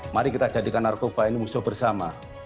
mari kita jadikan narkoba ini musuh bersama